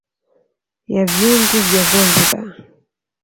Ya vyungu vya Zanzibar